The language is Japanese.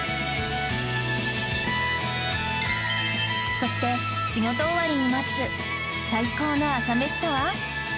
そして仕事終わりに待つ最高の朝メシとは？